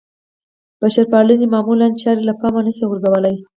بشرپالنې معمولې چارې له پامه نه شي غورځېدلی.